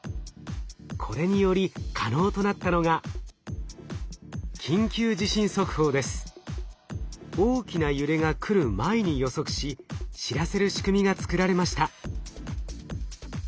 これにより可能となったのが大きな揺れが来る前に予測し知らせる仕組みが作られました。